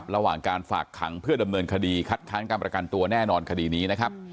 ระหว่างการฝากขังเพื่อดำเนินคดีคัดค้านการประกันตัวแน่นอนคดีนี้นะครับ